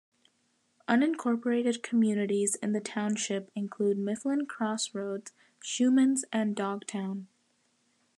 Unincorporated communities in the township include Mifflin Cross Roads, Shumans, and Dogtown.